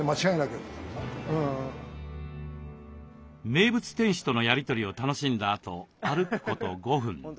名物店主とのやり取りを楽しんだあと歩くこと５分。